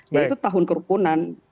yaitu tahun kerukunan